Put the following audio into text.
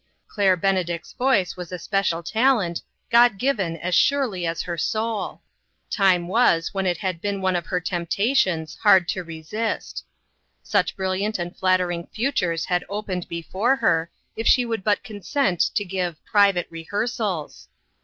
Claire Bene dict's voice was a special talent, God given as surely as her soul. Time was when it had been one of her temptations, hard to resist. Such brilliant and flattering futures had opened before her, if she would but consent to give " private rehearsals."